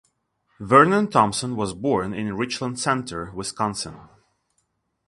Vernon Thomson was born in Richland Center, Wisconsin.